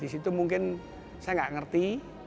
di situ mungkin saya nggak ngerti